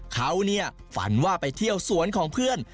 เขาฝันว่าไปเที่ยวสวนของเพื่อน